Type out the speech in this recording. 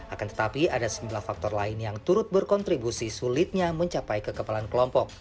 akan tetapi ada sejumlah faktor lain yang turut berkontribusi sulitnya mencapai kekebalan kelompok